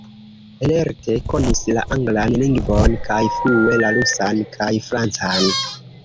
Lerte konis la anglan lingvon kaj flue la rusan kaj francan.